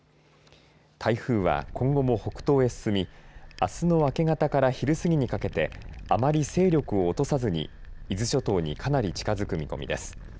台風は今後も北東へ進みあすの明け方から昼過ぎにかけてあまり勢力を落とさずに伊豆諸島にかなり近づく見込みです。